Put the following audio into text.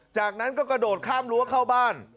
จากนั้นก็กระโดดข้ามรั้วเข้าบ้าน